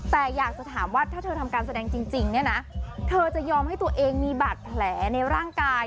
แต่อยากจะถามว่าถ้าเธอทำการแสดงจริงเนี่ยนะเธอจะยอมให้ตัวเองมีบาดแผลในร่างกาย